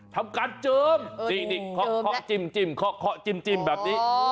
ทำการเจิมจิ้มคอกจิ้มคอกจิ้มแบบนี้